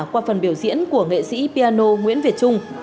qua phần biểu diễn của nghệ sĩ piano nguyễn việt trung